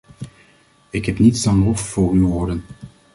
Ik heb niets dan lof voor uw woorden.